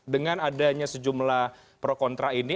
dengan adanya sejumlah pro kontra ini